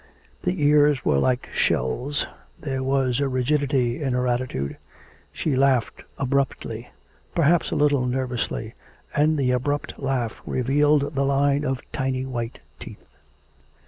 The ears were like shells. There was a rigidity in her attitude. She laughed abruptly, perhaps a little nervously, and the abrupt laugh revealed the line of tiny white teeth.